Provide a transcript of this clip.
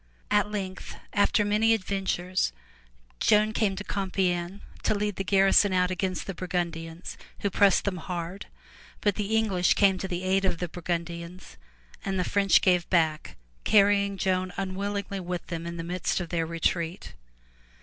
At length, after many adventures, Joan came to Compiegne to lead the garrison out against the Burgundians who pressed them hard, but the English came to the aid of the Burgundians and the French gave back, carrying Joan unwillingly with them in the midst of their retreat.